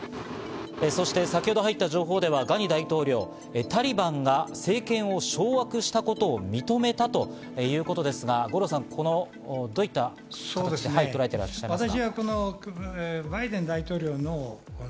そして先ほど入った情報では、ガニ大統領、タリバンが政権を掌握したことを認めたということですが、どのようにとらえていらっしゃいますか？